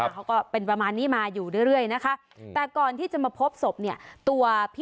เขาก็เป็นประมาณนี้มาอยู่เรื่อยนะคะ